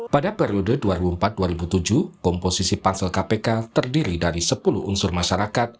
pada periode dua ribu empat dua ribu tujuh komposisi pansel kpk terdiri dari sepuluh unsur masyarakat